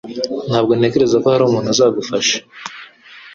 Ntabwo ntekereza ko hari umuntu uzagufasha